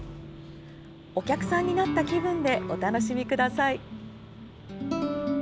お客さんになった気分でお楽しみください。